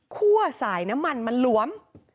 ั่วสายน้ำมันมันหลวม